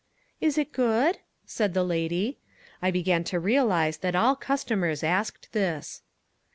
"Is it good?" said the lady. I began to realise that all customers asked this.